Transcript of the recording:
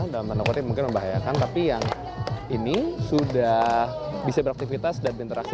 dalam tanda kutip mungkin membahayakan tapi yang ini sudah bisa beraktivitas dan berinteraksi